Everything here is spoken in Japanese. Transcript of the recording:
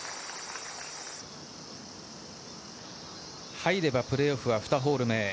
入ればプレーオフは２ホール目。